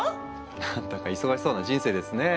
何だか忙しそうな人生ですねえ。